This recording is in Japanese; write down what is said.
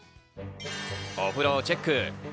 お風呂をチェック。